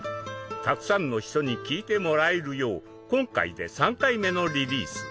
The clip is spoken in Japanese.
たくさんの人に聴いてもらえるよう今回で３回目のリリース。